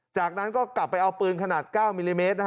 จากนั้นก็กลับไปเอาปืนขนาด๙มิลลิเมตร